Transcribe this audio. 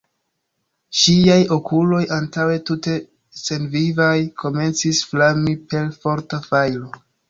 Ŝiaj okuloj, antaŭe tute senvivaj, komencis flami per forta fajro.